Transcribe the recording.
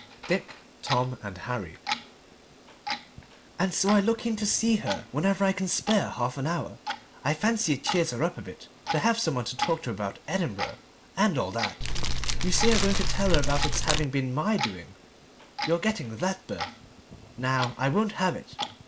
DICK, TOM, AND HARRY "AND so I look in to see her whenever I can spare half an hour. I fancy it cheers her up a bit to have some one to talk to about Edinburgh and all that. You say you're going to tell her about its having been my doing, your getting that berth. Now, I won't have it.